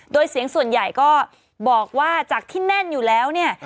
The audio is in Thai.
โดยเสียงส่วนใหญ่ก็บอกว่าจากที่แน่นอยู่แล้วเนี่ย